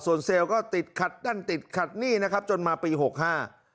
ส่วนเซลล์ก็ติดขัดนั่นติดขัดหนี้นะครับจนมาปีหกห้า